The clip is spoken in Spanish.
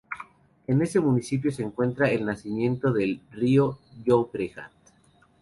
En este municipio se encuentra el nacimiento del río Llobregat.